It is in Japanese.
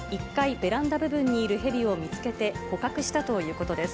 ベランダ部分にいるヘビを見つけて、捕獲したということです。